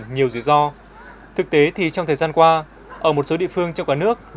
nhiều rủi ro những nhà hàng nổi này do người dân xây dựng tự phát